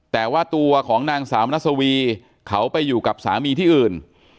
แต่ว่าตัวของนางสาวมัสวีเขาไปอยู่กับสามีที่อื่น